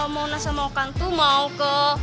mona sama okan tuh mau ke